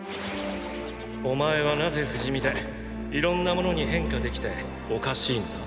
お前はなぜ不死身でいろんな物に変化できておかしいのだ？